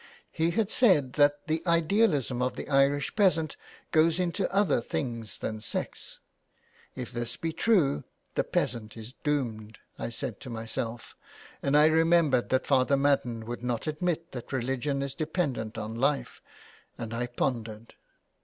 He had said that the idealism of the Irish peasant goes into other things than sex. " If this be true, the peasant is doomed," I said to myself, and I remembered that Father Madden would not admit that religion is dependent on life, and I pondered.